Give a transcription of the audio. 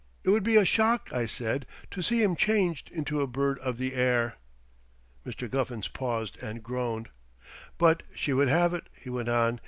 It would be a shock,' I said, 'to see him changed into a bird of the air.'" Mr. Guffins paused and groaned. "But she would have it," he went on.